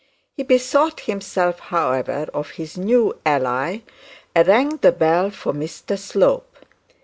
He bethought himself of his new ally, and rang the bell for Mr Slope.